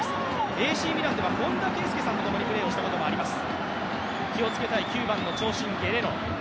ＡＣミランでは本田圭佑さんとともにプレーしたこともあります。